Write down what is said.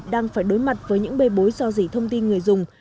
đang phải đối mặt với những bê bối do dỉ thông tin người dùng